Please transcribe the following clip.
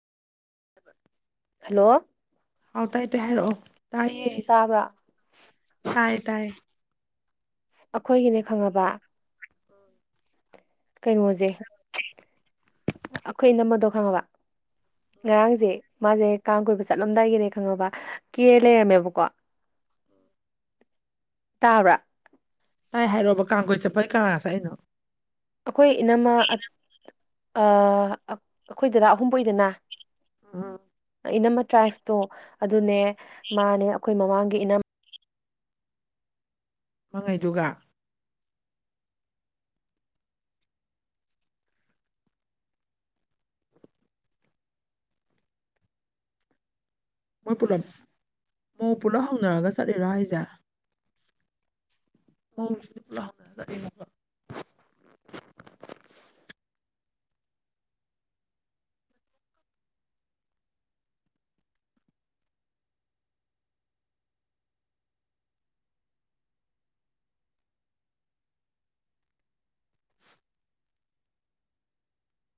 hello ꯑꯥꯎꯇꯥꯏ ꯇ ꯍꯥꯏꯔꯛꯑꯣ ꯇꯥꯏꯌꯦ ꯇꯥꯕ꯭ꯔꯥ ꯇꯥꯏ ꯇꯥꯏ ꯑ ꯑꯩꯈꯣꯏꯒꯤꯅꯦ ꯈꯪꯉꯕ ꯀꯩꯅꯣꯁꯦ ꯑꯩꯈꯣꯏ ꯅꯝꯝꯕꯗꯣ ꯈꯪꯉꯕ ꯉꯔꯥꯡꯁꯦ ꯃꯥꯁꯦ ꯀꯥꯡ ꯀꯣꯏꯕ ꯆꯠꯂꯝꯗꯥꯏꯒꯤꯅꯦ ꯈꯪꯉꯕ ꯀꯦ ꯂꯩꯔꯝꯃꯦꯕꯀꯣ ꯇꯥꯕ꯭ꯔꯥ ꯇꯥꯏ ꯍꯥꯏꯔꯣꯕ ꯀꯥꯡꯈꯨꯣꯏ ꯆꯠꯄꯩ ꯀꯥꯥꯁꯦ ꯑꯩꯅꯣ ꯑꯩꯈꯣꯏ ꯏꯅꯝꯃ ꯑꯩꯈꯣꯏꯗꯗ ꯑꯍꯨꯝꯕ ꯑꯣꯏꯗꯅ ꯑ ꯏꯅꯝꯃ ꯇ꯭ꯔꯥꯏꯐꯇꯣ ꯑꯗꯨꯅꯦ ꯃꯥꯅꯦ ꯑꯩꯈꯣꯏ ꯃꯃꯥꯡꯒꯤ ꯏꯅ ꯃꯉꯩꯗꯨꯒ ꯃꯣꯏ ꯄꯨꯂꯞ ꯃ ꯄꯨꯂꯞ ꯍꯧꯅꯔꯒ ꯆꯠꯂꯤꯔꯥ ꯑꯩꯁꯦ ꯃꯧꯁꯤꯗꯤ ꯄꯨ ꯂꯥꯡ